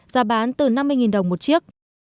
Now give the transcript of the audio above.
giá bán từ năm mươi đồng một chiếc